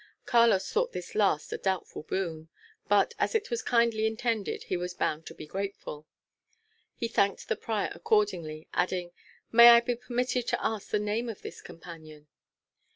Carlos thought this last a doubtful boon; but as it was kindly intended, he was bound to be grateful. He thanked the prior accordingly; adding, "May I be permitted to ask the name of this companion?"